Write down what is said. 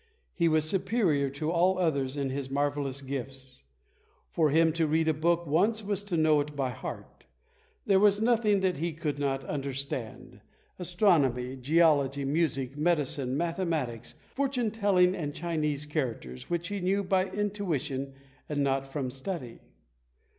He was superior to all others in his marvellous gifts. For him to read a book once was to know it by heart. There was nothing that he could not understand astronomy, geology, music, medicine, mathematics, fortune telling and Chinese characters, which he knew by intuition and not from study.